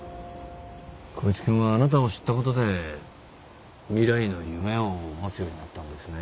光一くんはあなたを知った事で未来の夢を持つようになったんですね。